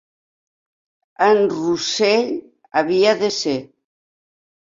En Russell havia de ser...